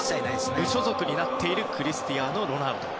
無所属になっているクリスティアーノ・ロナウド。